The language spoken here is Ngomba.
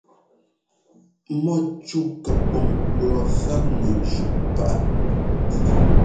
Mɔ́cú kɛpɔŋ lɔ faꞌŋɛ zʉꞌ páꞌ.